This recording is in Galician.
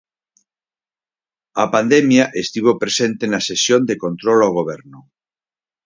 A pandemia estivo presente na sesión de control ao Goberno.